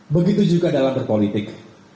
begitu juga dalam berpolitik